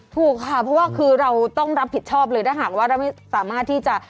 ถูกค่ะเพราะว่าคือเราต้องรับผิดชอบเลยถ้าหากว่าเราไม่สามารถที่จะ